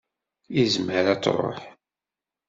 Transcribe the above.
Izmer ad d-tṛuḥ.